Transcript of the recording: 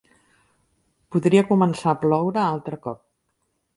Podria començar a ploure altre cop.